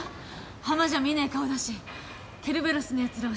ハマじゃ見ねえ顔だしケルベロスのやつらを瞬殺。